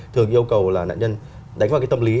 thường yêu cầu là nạn nhân đánh vào cái tâm lý